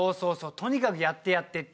とにかくやってやってっていう。